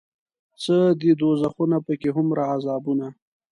څه دي دوزخونه پکې هومره عذابونه